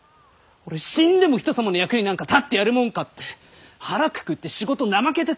死んでも人様の役になんか立ってやるもんか！って腹くくって仕事怠けてたわけ。